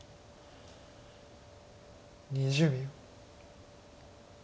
２０秒。